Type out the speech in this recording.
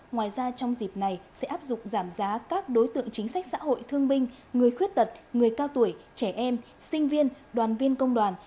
ngoài ra trong dịp này sẽ áp dụng giảm giá các đối tượng chính sách xã hội thương binh người khuyết tật người cao tuổi trẻ em sinh viên đoàn viên công đoàn